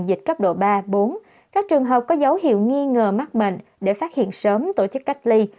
dịch cấp độ ba bốn các trường hợp có dấu hiệu nghi ngờ mắc bệnh để phát hiện sớm tổ chức cách ly